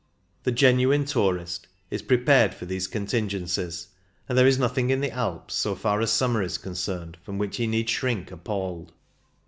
The genuine tourist is pre 2IO CYCLING IN THE ALPS pared for these contingencies, and there is nothing in the Alps, so far as summer is concerned, from which he need shrink appalled.